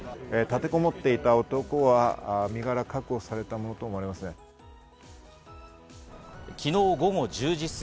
立てこもっていた男は身柄が確保されたものとみられます。